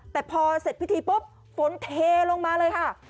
แต่พอเสร็จพิธีปุ๊บฝนเทลงมาเลยค่ะ